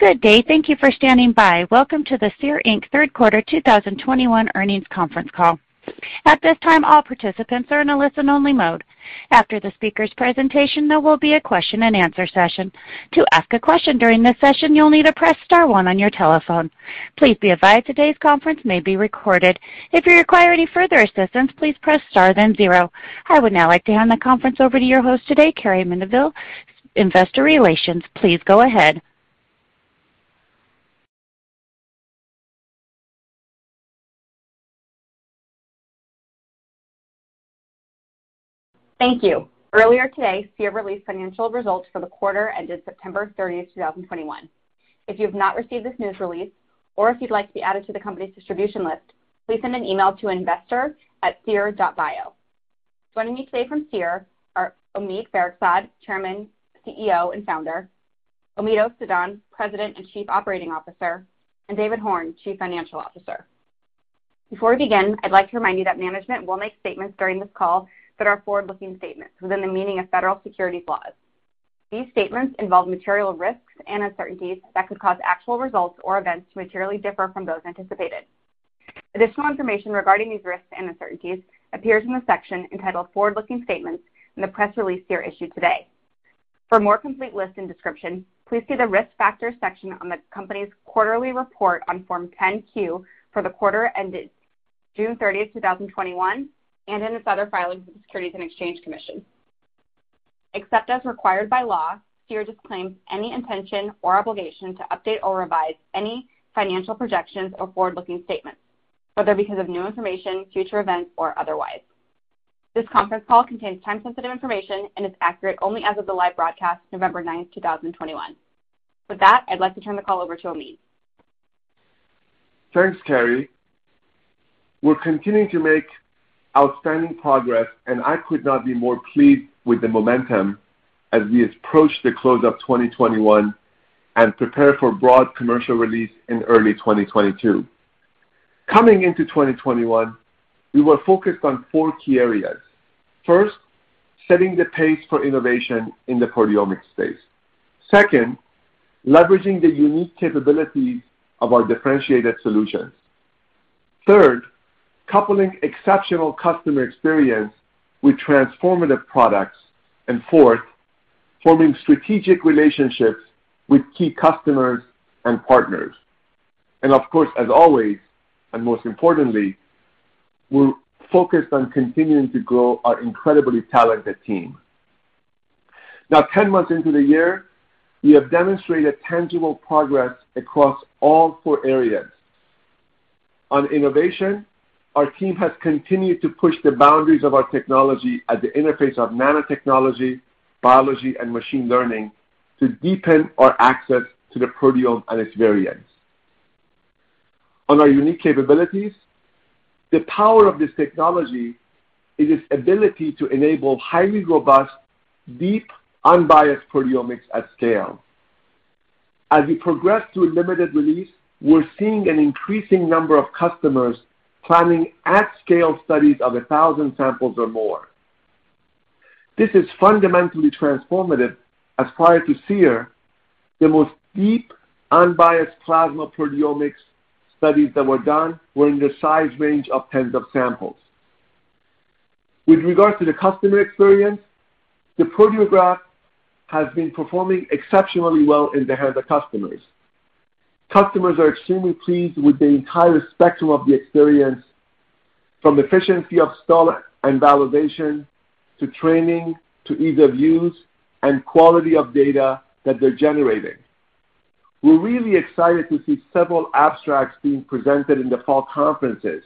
Good day. Thank you for standing by. Welcome to the Seer, Inc. Q3 2021 earnings Conference Call. At this time, all participants are in a listen only mode. After the speaker's presentation, there will be a question and answer session. To ask a question during this session, you'll need to press star one on your telephone. Please be advised today's conference may be recorded. If you require any further assistance, please press star then zero. I would now like to hand the conference over to your host today, Carrie Mendivil, Investor Relations. Please go ahead. Thank you. Earlier today, Seer released financial results for the quarter ended September 30, 2021. If you have not received this news release or if you'd like to be added to the company's distribution list, please send an email to investor@seer.bio. Joining me today from Seer are Omid Farokhzad, Chairman, CEO, and Founder, Omead Ostadan, President and Chief Operating Officer, and David Horn, Chief Financial Officer. Before we begin, I'd like to remind you that management will make statements during this call that are forward-looking statements within the meaning of federal securities laws. These statements involve material risks and uncertainties that could cause actual results or events to materially differ from those anticipated. Additional information regarding these risks and uncertainties appears in the section entitled Forward-Looking Statements in the press release Seer issued today. For a more complete list and description, please see the Risk Factors section on the company's quarterly report on Form 10-Q for the quarter ended June 30, 2021, and in its other filings with the Securities and Exchange Commission. Except as required by law, Seer disclaims any intention or obligation to update or revise any financial projections or forward-looking statements, whether because of new information, future events, or otherwise. This Conference Call contains time-sensitive information and is accurate only as of the live broadcast, November 9, 2021. With that, I'd like to turn the call over to Omid. Thanks, Carrie. We're continuing to make outstanding progress, and I could not be more pleased with the momentum as we approach the close of 2021 and prepare for broad commercial release in early 2022. Coming into 2021, we were focused on four key areas. First, setting the pace for innovation in the proteomics space. Second, leveraging the unique capabilities of our differentiated solutions. Third, coupling exceptional customer experience with transformative products. Fourth, forming strategic relationships with key customers and partners. Of course, as always, and most importantly, we're focused on continuing to grow our incredibly talented team. Now, ten months into the year, we have demonstrated tangible progress across all four areas. On innovation, our team has continued to push the boundaries of our technology at the interface of nanotechnology, biology, and machine learning to deepen our access to the proteome and its variants. On our unique capabilities, the power of this technology is its ability to enable highly robust, deep, unbiased proteomics at scale. As we progress to a limited release, we're seeing an increasing number of customers planning at-scale studies of 1,000 samples or more. This is fundamentally transformative as prior to Seer, the most deep, unbiased plasma proteomics studies that were done were in the size range of tens of samples. With regard to the customer experience, the Proteograph has been performing exceptionally well in the hands of customers. Customers are extremely pleased with the entire spectrum of the experience, from efficiency of install and validation, to training, to ease of use, and quality of data that they're generating. We're really excited to see several abstracts being presented in the fall conferences.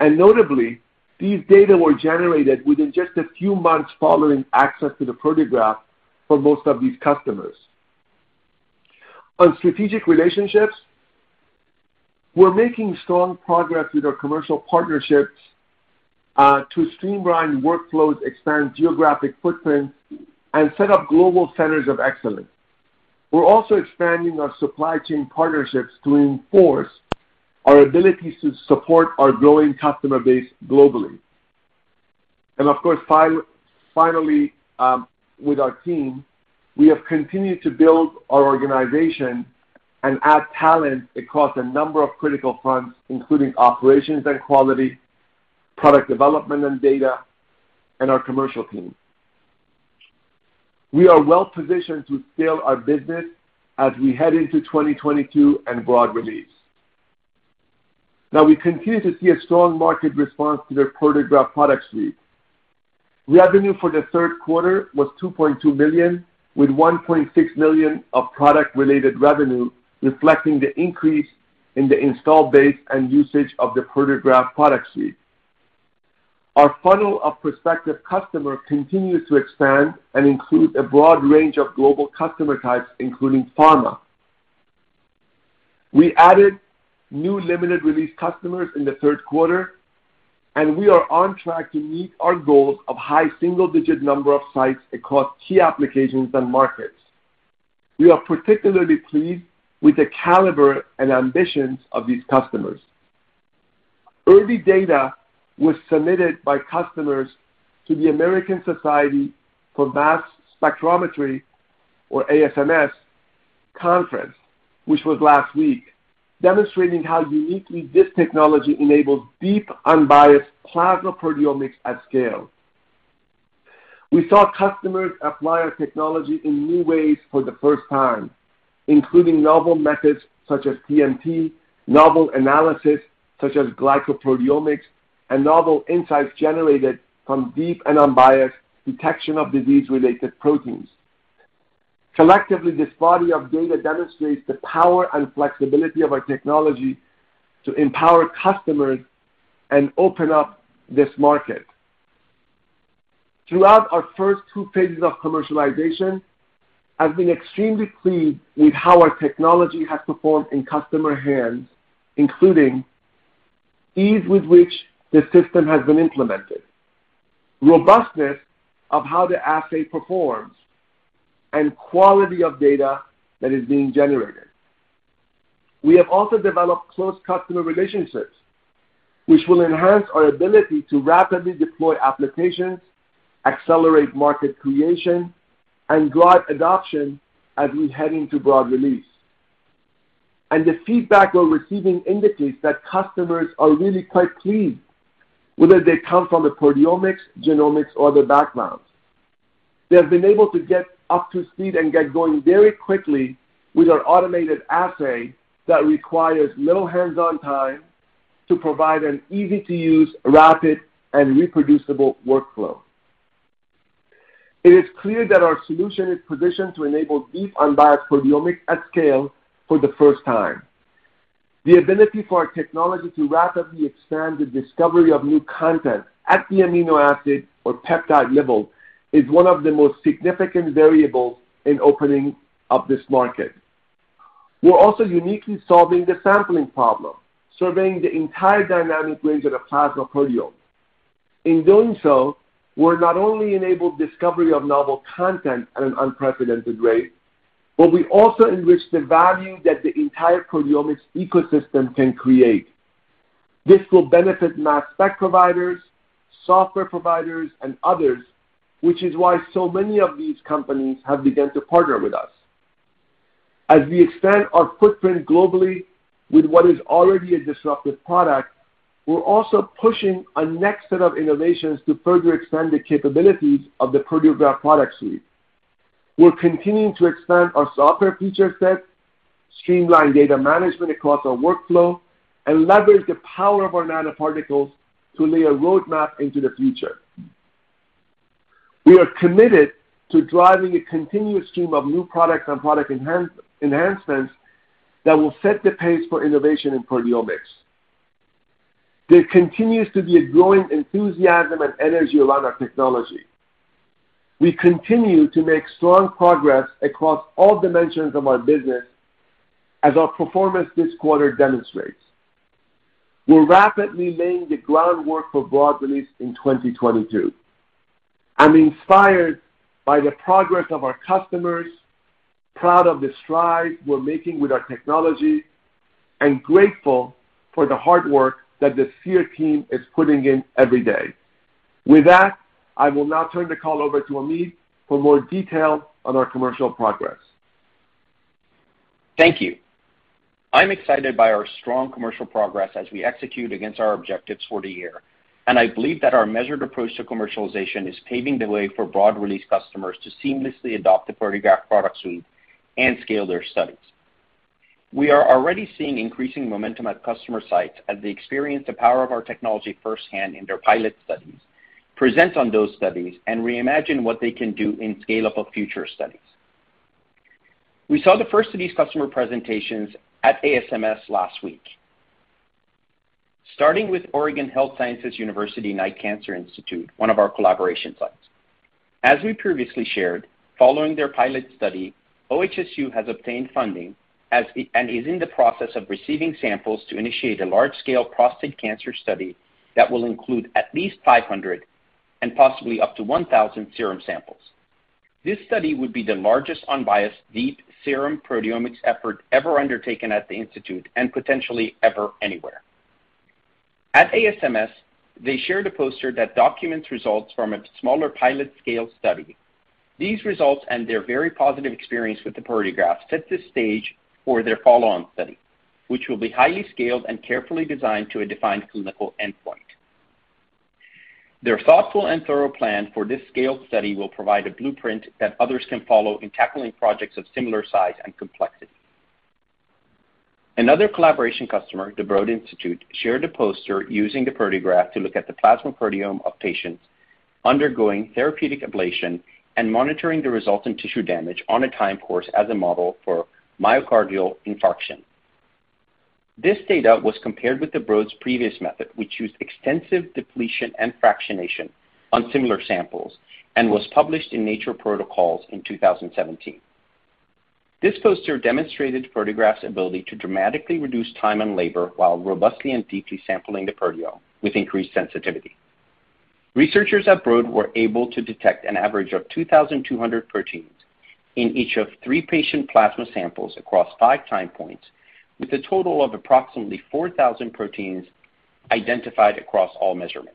Notably, these data were generated within just a few months following access to the Proteograph for most of these customers. On strategic relationships, we're making strong progress with our commercial partnerships to streamline workflows, expand geographic footprints, and set up global centers of excellence. We're also expanding our supply chain partnerships to enforce our ability to support our growing customer base globally. Of course, finally, with our team, we have continued to build our organization and add talent across a number of critical fronts, including operations and quality, product development and data, and our commercial team. We are well-positioned to scale our business as we head into 2022 and broad release. Now, we continue to see a strong market response to the Proteograph Product Suite. Revenue for the Q3 was $2.2 million, with $1.6 million of product-related revenue, reflecting the increase in the install base and usage of the Proteograph Product Suite. Our funnel of prospective customers continues to expand and includes a broad range of global customer types, including pharma. We added new limited release customers in the Q3, and we are on track to meet our goals of high single-digit number of sites across key applications and markets. We are particularly pleased with the caliber and ambitions of these customers. Early data was submitted by customers to the American Society for Mass Spectrometry, or ASMS conference, which was last week, demonstrating how uniquely this technology enables deep unbiased plasma proteomics at scale. We saw customers apply our technology in new ways for the first time, including novel methods such as TMT, novel analysis such as glycoproteomics, and novel insights generated from deep and unbiased detection of disease-related proteins. Collectively, this body of data demonstrates the power and flexibility of our technology to empower customers and open up this market. Throughout our first two phases of commercialization, I've been extremely pleased with how our technology has performed in customer hands, including ease with which the system has been implemented, robustness of how the assay performs, and quality of data that is being generated. We have also developed close customer relationships which will enhance our ability to rapidly deploy applications, accelerate market creation, and drive adoption as we head into broad release. The feedback we're receiving indicates that customers are really quite pleased, whether they come from the proteomics, genomics, or other backgrounds. They have been able to get up to speed and get going very quickly with our automated assay that requires low hands-on time to provide an easy-to-use, rapid, and reproducible workflow. It is clear that our solution is positioned to enable deep unbiased proteomics at scale for the first time. The ability for our technology to rapidly expand the discovery of new content at the amino acid or peptide level is one of the most significant variables in opening up this market. We're also uniquely solving the sampling problem, surveying the entire dynamic range of the plasma proteome. In doing so, we're not only enabled discovery of novel content at an unprecedented rate, but we also enrich the value that the entire proteomics ecosystem can create. This will benefit mass spec providers, software providers, and others, which is why so many of these companies have begun to partner with us. As we expand our footprint globally with what is already a disruptive product, we're also pushing a next set of innovations to further expand the capabilities of the Proteograph Product Suite. We're continuing to expand our software feature set, streamline data management across our workflow, and leverage the power of our nanoparticles to lay a roadmap into the future. We are committed to driving a continuous stream of new products and product enhancements that will set the pace for innovation in proteomics. There continues to be a growing enthusiasm and energy around our technology. We continue to make strong progress across all dimensions of our business as our performance this quarter demonstrates. We're rapidly laying the groundwork for broad release in 2022. I'm inspired by the progress of our customers, proud of the strides we're making with our technology, and grateful for the hard work that the Seer team is putting in every day. With that, I will now turn the call over to Omead for more detail on our commercial progress. Thank you. I'm excited by our strong commercial progress as we execute against our objectives for the year, and I believe that our measured approach to commercialization is paving the way for broad release customers to seamlessly adopt the Proteograph Product Suite and scale their studies. We are already seeing increasing momentum at customer sites as they experience the power of our technology firsthand in their pilot studies, present on those studies, and reimagine what they can do in scale of future studies. We saw the first of these customer presentations at ASMS last week. Starting with Oregon Health & Science University Knight Cancer Institute, one of our collaboration sites. As we previously shared, following their pilot study, OHSU has obtained funding as... is in the process of receiving samples to initiate a large-scale prostate cancer study that will include at least 500 and possibly up to 1,000 serum samples. This study would be the largest unbiased deep serum proteomics effort ever undertaken at the institute and potentially ever anywhere. At ASMS, they shared a poster that documents results from a smaller pilot-scale study. These results and their very positive experience with the Proteograph set the stage for their follow-on study, which will be highly-scaled and carefully designed to a defined clinical endpoint. Their thoughtful and thorough plan for this scaled study will provide a blueprint that others can follow in tackling projects of similar size and complexity. Another collaboration customer, the Broad Institute, shared a poster using the Proteograph to look at the plasma proteome of patients undergoing therapeutic ablation and monitoring the resultant tissue damage on a time course as a model for myocardial infarction. This data was compared with the Broad Institute's previous method, which used extensive depletion and fractionation on similar samples and was published in Nature Protocols in 2017. This poster demonstrated Proteograph's ability to dramatically reduce time and labor while robustly and deeply sampling the proteome with increased sensitivity. Researchers at the Broad Institute were able to detect an average of 2,200 proteins in each of three patient plasma samples across five time points, with a total of approximately 4,000 proteins identified across all measurements.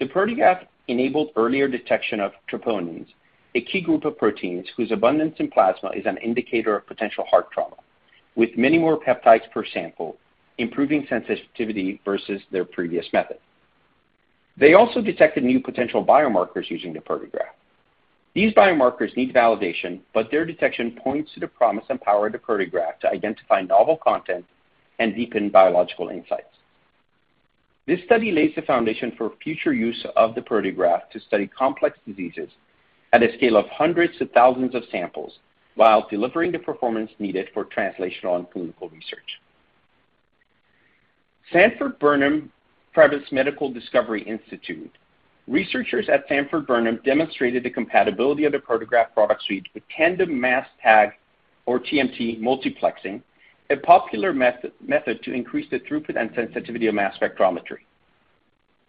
The Proteograph enabled earlier detection of troponins, a key group of proteins whose abundance in plasma is an indicator of potential heart trauma, with many more peptides per sample, improving sensitivity versus their previous method. They also detected new potential biomarkers using the Proteograph. These biomarkers need validation, but their detection points to the promise and power of the Proteograph to identify novel content and deepen biological insights. This study lays the foundation for future use of the Proteograph to study complex diseases at a scale of hundreds to thousands of samples, while delivering the performance needed for translational and clinical research. Sanford Burnham Prebys Medical Discovery Institute. Researchers at Sanford Burnham Prebys demonstrated the compatibility of the Proteograph Product Suite with tandem mass tag or TMT multiplexing, a popular method to increase the throughput and sensitivity of mass spectrometry.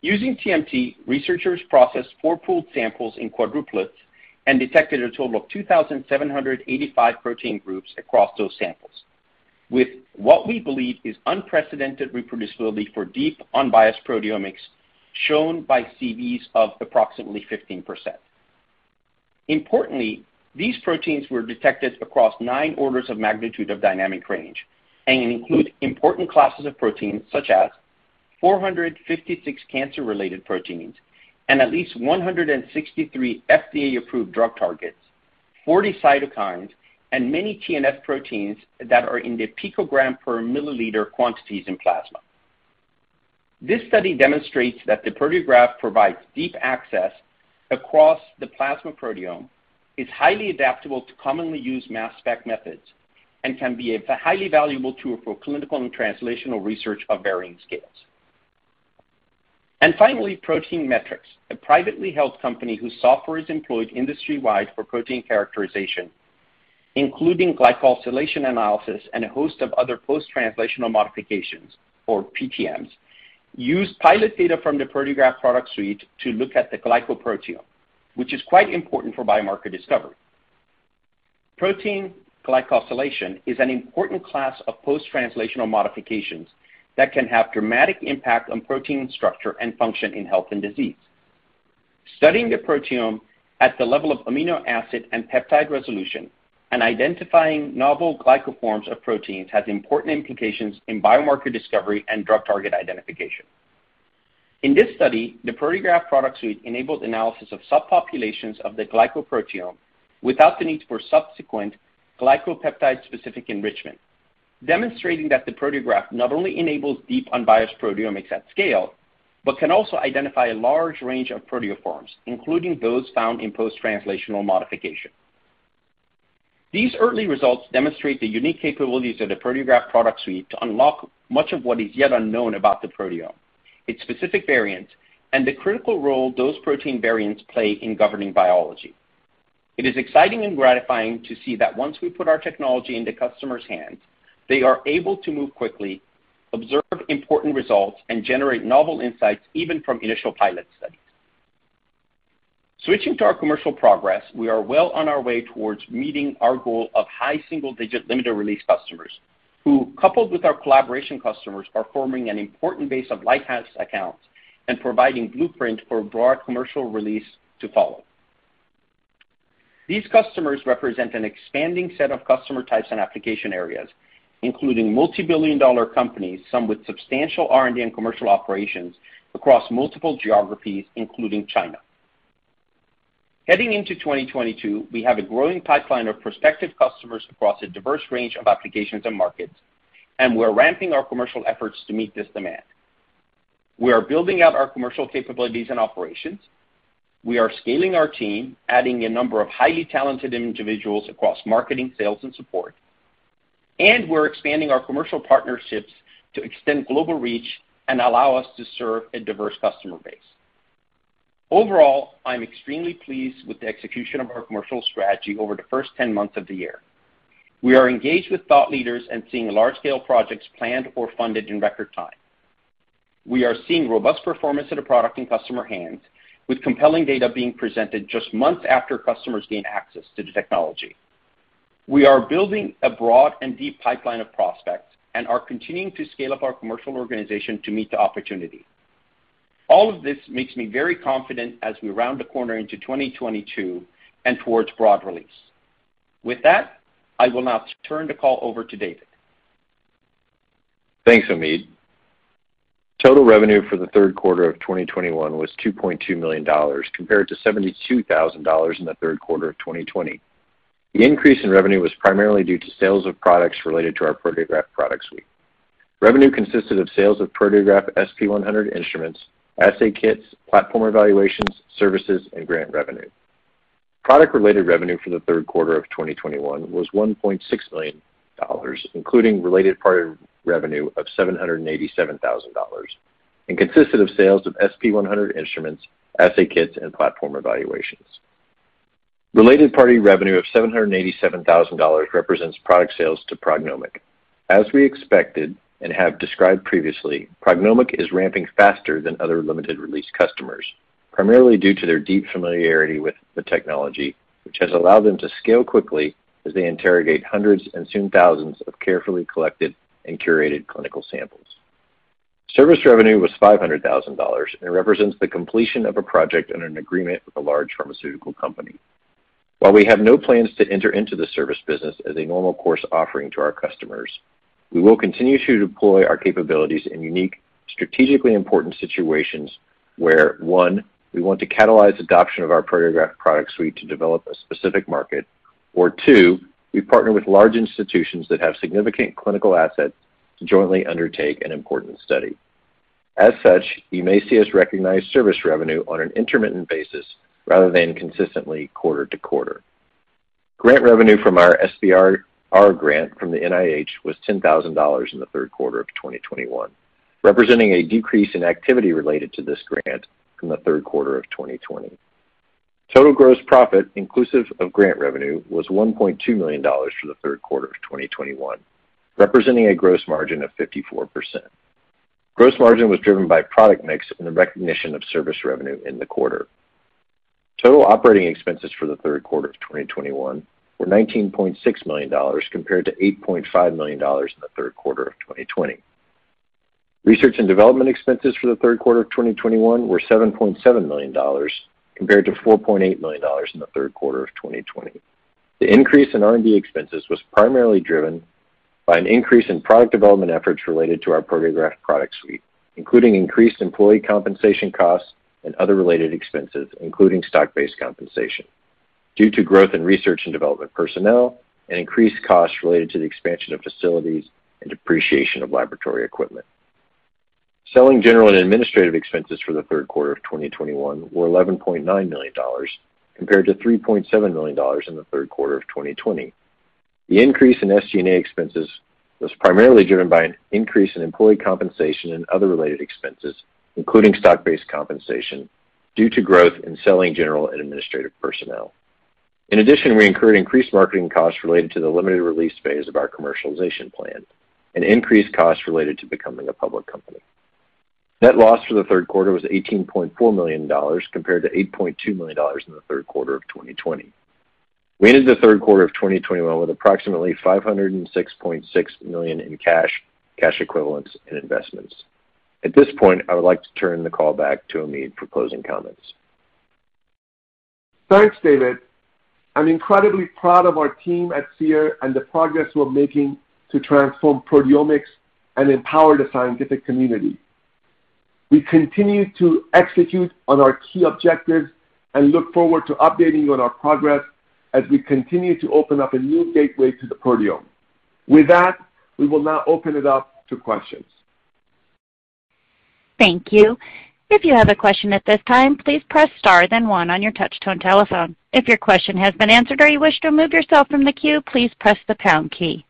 Using TMT, researchers processed 4 pooled samples in quadruplets and detected a total of 2,785 protein groups across those samples with what we believe is unprecedented reproducibility for deep unbiased proteomics shown by CVs of approximately 15%. Importantly, these proteins were detected across 9 orders of magnitude of dynamic range and include important classes of proteins such as 456 cancer-related proteins and at least 163 FDA-approved drug targets, 40 cytokines, and many TNF proteins that are in the picogram per milliliter quantities in plasma. This study demonstrates that the Proteograph provides deep access across the plasma proteome, is highly-adaptable to commonly used mass spec methods, and can be a highly-valuable tool for clinical and translational research of varying scales. Finally, Protein Metrics, a privately held company whose software is employed industry-wide for protein characterization, including glycosylation analysis and a host of other post-translational modifications, or PTMs, used pilot data from the Proteograph Product Suite to look at the glycoprotein, which is quite important for biomarker discovery. Protein glycosylation is an important class of post-translational modifications that can have dramatic impact on protein structure and function in health and disease. Studying the proteome at the level of amino acid and peptide resolution and identifying novel glycoforms of proteins has important implications in biomarker discovery and drug target identification. In this study, the Proteograph Product Suite enabled analysis of subpopulations of the glycoprotein without the need for subsequent glycopeptide-specific enrichment, demonstrating that the Proteograph not only enables deep unbiased proteomics at scale, but can also identify a large range of proteoforms, including those found in post-translational modification. These early results demonstrate the unique capabilities of the Proteograph Product Suite to unlock much of what is yet unknown about the proteome, its specific variants, and the critical role those protein variants play in governing biology. It is exciting and gratifying to see that once we put our technology into customers' hands, they are able to move quickly, observe important results, and generate novel insights even from initial pilot studies. Switching to our commercial progress, we are well on our way towards meeting our goal of high single-digit limited release customers who, coupled with our collaboration customers, are forming an important base of lighthouse accounts and providing blueprint for broad commercial release to follow. These customers represent an expanding set of customer types and application areas, including multi-billion dollar companies, some with substantial R&D and commercial operations across multiple geographies, including China. Heading into 2022, we have a growing pipeline of prospective customers across a diverse range of applications and markets, and we're ramping our commercial efforts to meet this demand. We are building out our commercial capabilities and operations. We are scaling our team, adding a number of highly-talented individuals across marketing, sales, and support. We're expanding our commercial partnerships to extend global reach and allow us to serve a diverse customer base. Overall, I am extremely pleased with the execution of our commercial strategy over the first 10 months of the year. We are engaged with thought leaders and seeing large-scale projects planned or funded in record time. We are seeing robust performance of the product in customer hands, with compelling data being presented just months after customers gain access to the technology. We are building a broad and deep pipeline of prospects and are continuing to scale up our commercial organization to meet the opportunity. All of this makes me very confident as we round the corner into 2022 and towards broad release. With that, I will now turn the call over to David. Thanks, Omid. Total revenue for the Q3 of 2021 was $2.2 million, compared to $72,000 in the Q3 of 2020. The increase in revenue was primarily due to sales of products related to our Proteograph Product Suite. Revenue consisted of sales of Proteograph SP100 instruments, assay kits, platform evaluations, services, and grant revenue. Product-related revenue for the Q3 of 2021 was $1.6 million, including related product revenue of $787,000 and consisted of sales of SP100 instruments, assay kits, and platform evaluations. Related party revenue of $787,000 represents product sales to PrognomiQ. As we expected and have described previously, PrognomiQ is ramping faster than other limited release customers, primarily due to their deep familiarity with the technology, which has allowed them to scale quickly as they interrogate hundreds and soon thousands of carefully collected and curated clinical samples. Service revenue was $500,000 and represents the completion of a project and an agreement with a large pharmaceutical company. While we have no plans to enter into the service business as a normal course offering to our customers, we will continue to deploy our capabilities in unique, strategically important situations where, one, we want to catalyze adoption of our Proteograph Product Suite to develop a specific market, or two, we partner with large institutions that have significant clinical assets to jointly undertake an important study. As such, you may see us recognize service revenue on an intermittent basis rather than consistently quarter to quarter. Grant revenue from our SBIR grant from the NIH was $10,000 in the Q3 of 2021, representing a decrease in activity related to this grant from the Q3 of 2020. Total gross profit, inclusive of grant revenue, was $1.2 million for the Q3 of 2021, representing a gross margin of 54%. Gross margin was driven by product mix and the recognition of service revenue in the quarter. Total operating expenses for the Q3 of 2021 were $19.6 million compared to $8.5 million in the Q3 of 2020. Research and development expenses for the Q3 of 2021 were $7.7 million compared to $4.8 million in the Q3 of 2020. The increase in R&D expenses was primarily driven by an increase in product development efforts related to our Proteograph Product Suite, including increased employee compensation costs and other related expenses, including stock-based compensation, due to growth in research and development personnel and increased costs related to the expansion of facilities and depreciation of laboratory equipment. Selling, general, and administrative expenses for the Q3 of 2021 were $11.9 million compared to $3.7 million in the Q3 of 2020. The increase in SG&A expenses was primarily driven by an increase in employee compensation and other related expenses, including stock-based compensation, due to growth in selling, general, and administrative personnel. In addition, we incurred increased marketing costs related to the limited release phase of our commercialization plan and increased costs related to becoming a public company. Net loss for the Q3 was $18.4 million compared to $8.2 million in the Q3 of 2020. We ended the Q3 of 2021 with approximately $506.6 million in cash equivalents, and investments. At this point, I would like to turn the call back to Omid for closing comments. Thanks, David. I'm incredibly proud of our team at Seer and the progress we're making to transform proteomics and empower the scientific community. We continue to execute on our key objectives and look forward to updating you on our progress as we continue to open up a new gateway to the proteome. With that, we will now open it up to questions. Thank you. If you have a question at this time, please press star then one on your touch tone telephone. If your question has been answered or you wish to remove yourself from the queue, please press the pound key.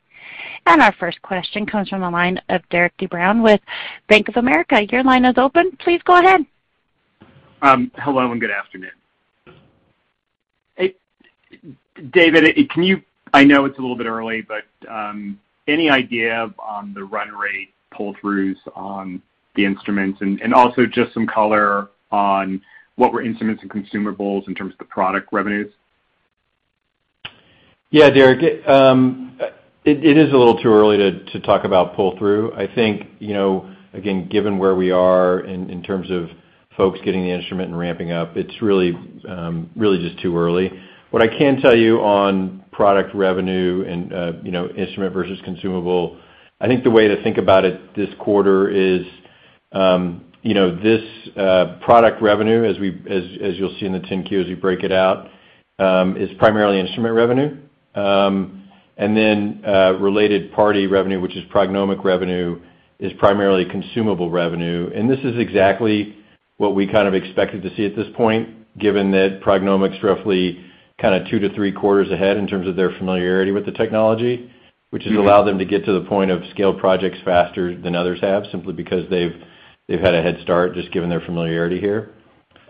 Our first question comes from the line of Derik De Bruin with Bank of America. Your line is open. Please go ahead. Hello and good afternoon. David, I know it's a little bit early, but any idea on the run rate pull-throughs on the instruments and also just some color on what were instruments and consumables in terms of the product revenues? Yeah, Derek. It is a little too early to talk about pull-through. I think, you know, again, given where we are in terms of folks getting the instrument and ramping up, it's really just too early. What I can tell you on product revenue and, you know, instrument versus consumable, I think the way to think about it this quarter is, you know, this product revenue, as you'll see in the 10-Q as we break it out, is primarily instrument revenue. Then, related party revenue, which is PrognomIQ revenue, is primarily consumable revenue. This is exactly what we kind of expected to see at this point, given that PrognomIQ's roughly kinda 2 to 3 quarters ahead in terms of their familiarity with the technology, which has allowed them to get to the point of scaled projects faster than others have, simply because they've had a head start just given their familiarity here.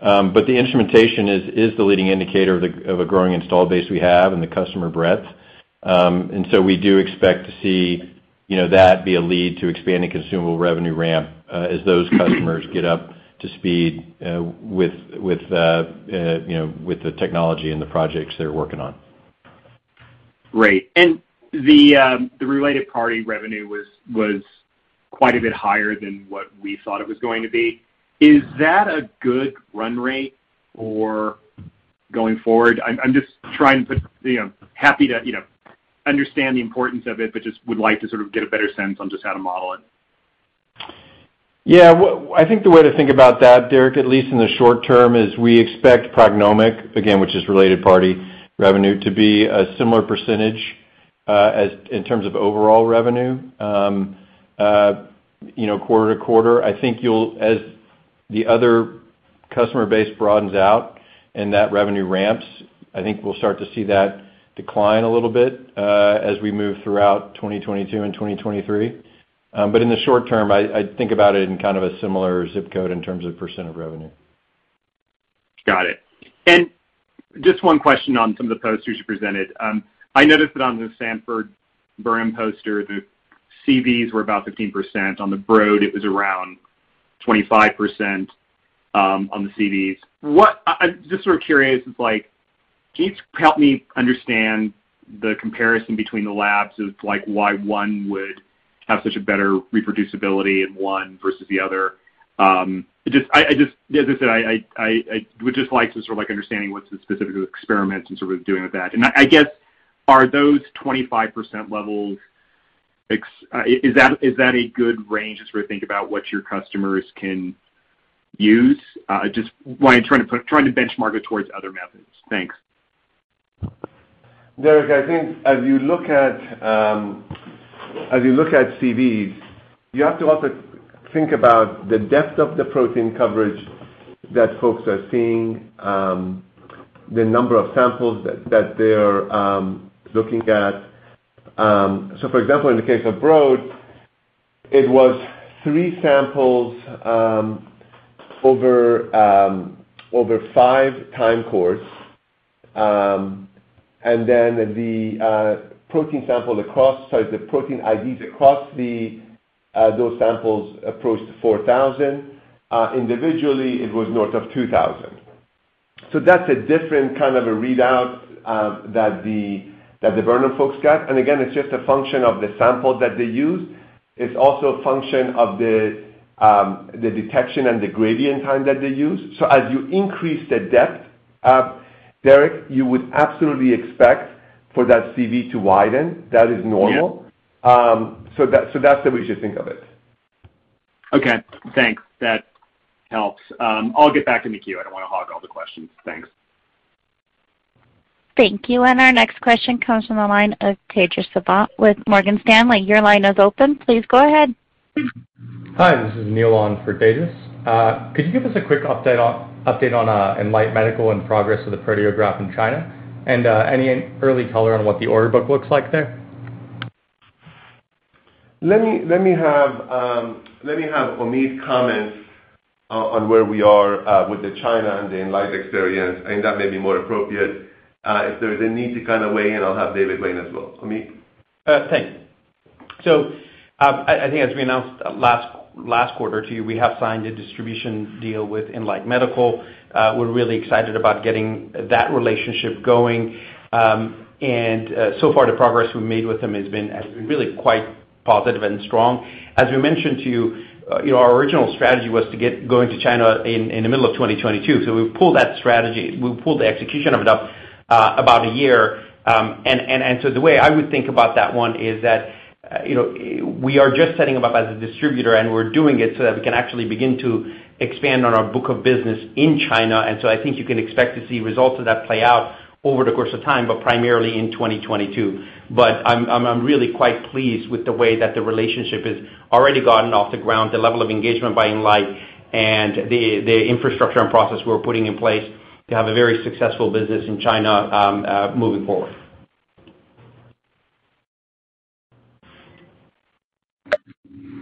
The instrumentation is the leading indicator of a growing installed base we have and the customer breadth. We do expect to see, you know, that be a lead to expanding consumable revenue ramp, as those customers get up to speed, with, you know, with the technology and the projects they're working on. Great. The related party revenue was quite a bit higher than what we thought it was going to be. Is that a good run rate for going forward? I'm just, you know, happy to, you know, understand the importance of it, but just would like to sort of get a better sense on just how to model it. Yeah. I think the way to think about that, Derik, at least in the short term, is we expect PrognomIQ, again, which is related party revenue, to be a similar percentage, as in terms of overall revenue, you know, quarter to quarter. I think as the other customer base broadens out and that revenue ramps, I think we'll start to see that decline a little bit, as we move throughout 2022 and 2023. In the short term, I think about it in kind of a similar zip code in terms of % of revenue. Got it. Just one question on some of the posters you presented. I noticed that on the Sanford Burnham poster, the CVs were about 15%. On the Broad Institute, it was around 25%, on the CVs. What, I'm just sort of curious, it's like, can you help me understand the comparison between the labs as to like why one would have such a better reproducibility in one versus the other? Just, I just, as I said, I would just like to sort of like understanding what's the specific experiments and sort of doing with that. I guess, are those 25% levels, is that a good range to sort of think about what your customers can use? Just why I'm trying to benchmark it towards other methods. Thanks. Derek, I think as you look at CVs, you have to also think about the depth of the protein coverage that folks are seeing, the number of samples that they're looking at. For example, in the case of Broad, it was 3 samples over 5 time course. Then the protein IDs across those samples approached 4,000. Individually, it was north of 2,000. That's a different kind of a readout that the Burnham folks got. Again, it's just a function of the sample that they use. It's also a function of the detection and the gradient time that they use. As you increase the depth, Derek, you would absolutely expect for that CV to widen. That is normal. Yeah. That's the way we should think of it. Okay. Thanks. That helps. I'll get back in the queue. I don't wanna hog all the questions. Thanks. Thank you. Our next question comes from the line of Tejas Savant with Morgan Stanley. Your line is open. Please go ahead. Hi, this is Neil on for Tejas. Could you give us a quick update on Enlight Medical and progress of the Proteograph in China? Any early color on what the order book looks like there? Let me have Omid comment on where we are with the China and the Enlight experience. I think that may be more appropriate. If there is a need to kind of weigh in, I'll have David weigh in as well. Omid? Thanks. I think as we announced last quarter to you, we have signed a distribution deal with Enlight Medical. We're really excited about getting that relationship going. So far the progress we've made with them has been really quite positive and strong. As we mentioned to you know, our original strategy was to get going to China in the middle of 2022. We pulled that strategy. We pulled the execution of it up about a year. The way I would think about that one is that, you know, we are just setting them up as a distributor, and we're doing it so that we can actually begin to expand on our book of business in China. I think you can expect to see results of that play out over the course of time, but primarily in 2022. I'm really quite pleased with the way that the relationship has already gotten off the ground, the level of engagement by Enlight and the infrastructure and process we're putting in place to have a very successful business in China, moving forward.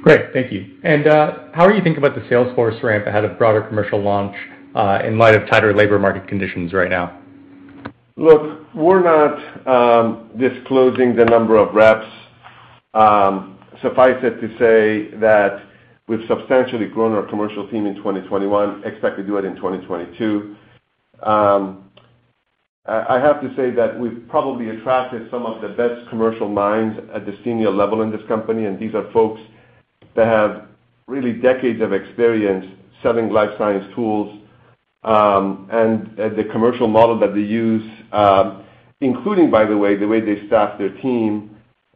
Great. Thank you. How are you thinking about the sales force ramp ahead of broader commercial launch, in light of tighter labor market conditions right now? Look, we're not disclosing the number of reps. Suffice it to say that we've substantially grown our commercial team in 2021, expect to do it in 2022. I have to say that we've probably attracted some of the best commercial minds at the senior level in this company, and these are folks that have really decades of experience selling life science tools, and the commercial model that they use, including by the way, the way they staff their team,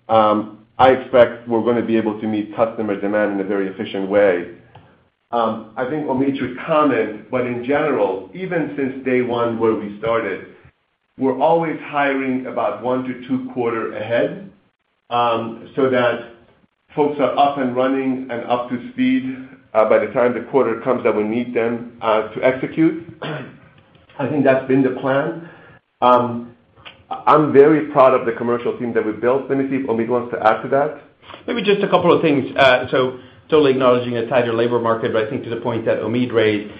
I expect we're gonna be able to meet customer demand in a very efficient way. I think Omid should comment, but in general, even since day one where we started, we're always hiring about 1-2 quarters ahead, so that folks are up and running and up to speed, by the time the quarter comes that we need them, to execute. I think that's been the plan. I'm very proud of the commercial team that we built. Let me see if Omid wants to add to that. Maybe just a couple of things. Totally acknowledging a tighter labor market, but I think to the point that Omid raised,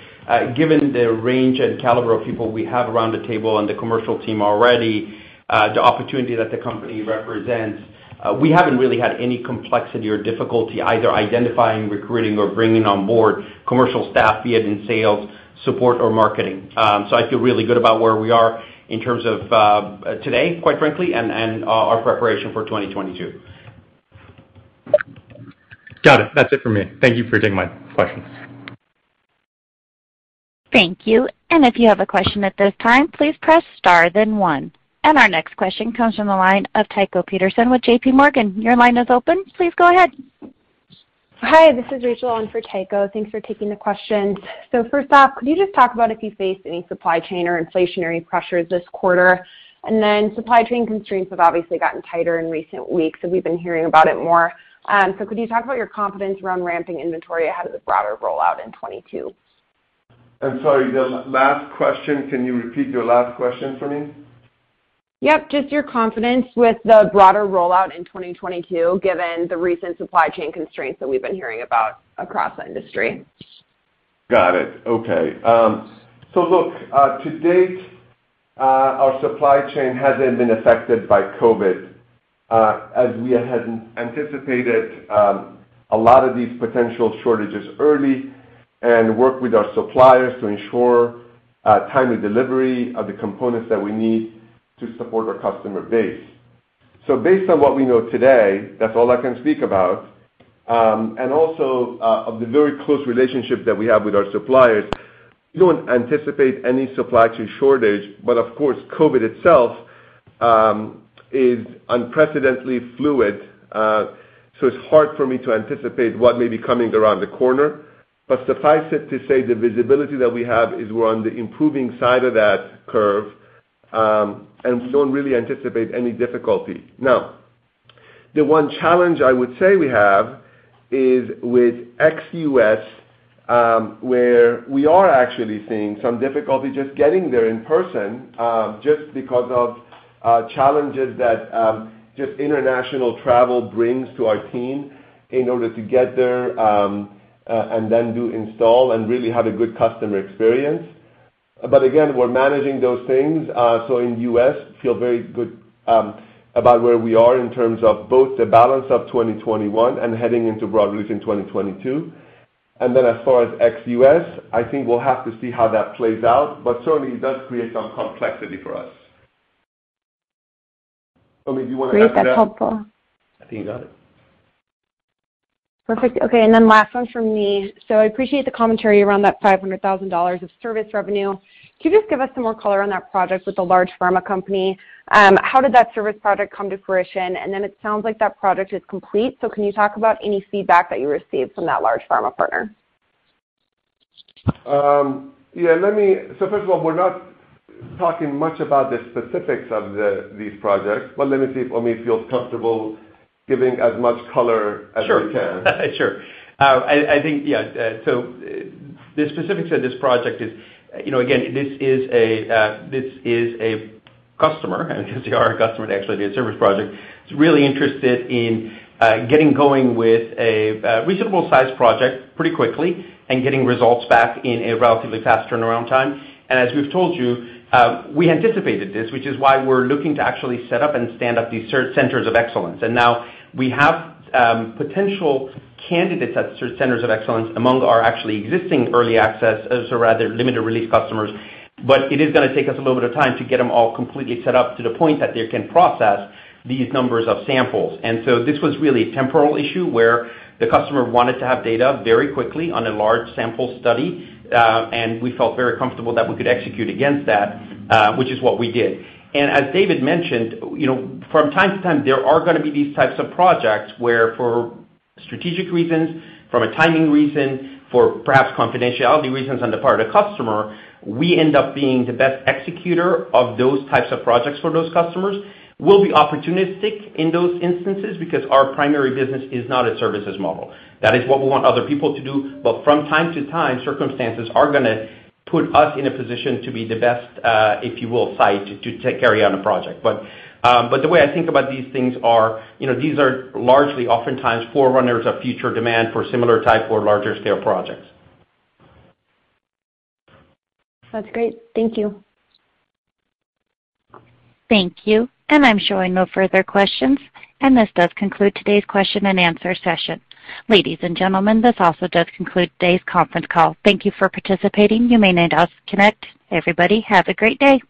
given the range and caliber of people we have around the table on the commercial team already, the opportunity that the company represents, we haven't really had any complexity or difficulty either identifying, recruiting, or bringing on board commercial staff, be it in sales, support, or marketing. I feel really good about where we are in terms of today, quite frankly, and our preparation for 2022. Got it. That's it for me. Thank you for taking my questions. Thank you. If you have a question at this time, please press star then one. Our next question comes from the line of Tycho Peterson with JPMorgan. Your line is open. Please go ahead. Hi, this is Rachel on for Tycho. Thanks for taking the questions. First off, could you just talk about if you faced any supply chain or inflationary pressures this quarter? Supply chain constraints have obviously gotten tighter in recent weeks, so we've been hearing about it more. Could you talk about your confidence around ramping inventory ahead of the broader rollout in 2022? I'm sorry, the last question. Can you repeat your last question for me? Yep. Just your confidence with the broader rollout in 2022, given the recent supply chain constraints that we've been hearing about across the industry? Got it. Okay. Look, to date, our supply chain hasn't been affected by COVID, as we had anticipated, a lot of these potential shortages early and work with our suppliers to ensure timely delivery of the components that we need to support our customer base. Based on what we know today, that's all I can speak about, and also of the very close relationship that we have with our suppliers, we don't anticipate any supply chain shortage, but of course, COVID itself is unprecedentedly fluid, so it's hard for me to anticipate what may be coming around the corner. Suffice it to say, the visibility that we have is we're on the improving side of that curve, and we don't really anticipate any difficulty. Now, the one challenge I would say we have is with ex-U.S., where we are actually seeing some difficulty just getting there in person, just because of challenges that just international travel brings to our team in order to get there, and then do install and really have a good customer experience. But again, we're managing those things. In U.S., I feel very good about where we are in terms of both the balance of 2021 and heading into broad release in 2022. Then as far as ex-U.S., I think we'll have to see how that plays out, but certainly it does create some complexity for us. Omi, do you wanna add to that? Great. That's helpful. I think you got it. Perfect. Okay, and then last one from me. I appreciate the commentary around that $500,000 of service revenue. Can you just give us some more color on that project with the large pharma company? How did that service project come to fruition? It sounds like that project is complete, so can you talk about any feedback that you received from that large pharma partner? Yeah, first of all, we're not talking much about the specifics of these projects, but let me see if Omi feels comfortable giving as much color as we can. Sure. I think, yeah, the specifics of this project is, you know, again, this is a customer, and they are a customer, actually, of the service project, is really interested in getting going with a reasonable sized project pretty quickly and getting results back in a relatively fast turnaround time. As we've told you, we anticipated this, which is why we're looking to actually set up and stand up these centers of excellence. Now we have potential candidates at centers of excellence among our actually existing early access, or rather limited release customers, but it is gonna take us a little bit of time to get them all completely set up to the point that they can process these numbers of samples. This was really a temporal issue, where the customer wanted to have data very quickly on a large sample study, and we felt very comfortable that we could execute against that, which is what we did. As David mentioned, you know, from time to time, there are gonna be these types of projects where for strategic reasons, from a timing reason, for perhaps confidentiality reasons on the part of the customer, we end up being the best executor of those types of projects for those customers. We'll be opportunistic in those instances because our primary business is not a services model. That is what we want other people to do. From time to time, circumstances are gonna put us in a position to be the best, if you will, site to carry on a project. The way I think about these things are, you know, these are largely oftentimes forerunners of future demand for similar type or larger scale projects. That's great. Thank you. Thank you. I'm showing no further questions, and this does conclude today's question and answer session. Ladies and gentlemen, this also does conclude today's Conference Call. Thank you for participating. You may now disconnect. Everybody, have a great day.